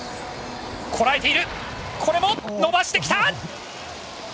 これも伸ばしてきた！